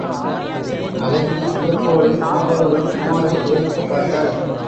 அழகி வியப்போடும் ஆவலோடும் உமாரை ஏறிட்டுப் பார்த்தாள்.